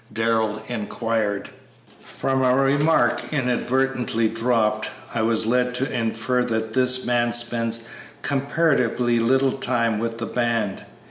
Darrell inquired. "From a remark inadvertently dropped, I was led to infer that this man spends comparatively little time with the band.